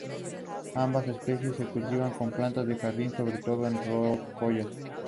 Ambas especies se cultivan como plantas de jardín, sobre todo en rocallas.